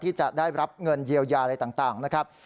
ที่จะได้รับเงินเยียวยาอะไรต่างนะครับ